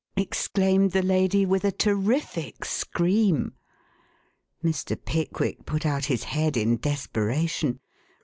exclaimed the lady with a terrific scream. Mr. Pickwick put out his head in desperation.